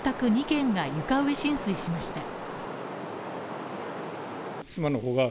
２軒が床上浸水しました。